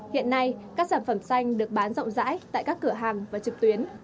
hiện nay các sản phẩm xanh được bán rộng rãi tại các cửa hàng và trực tuyến